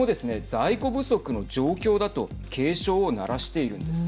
在庫不足の状況だと警鐘を鳴らしているんです。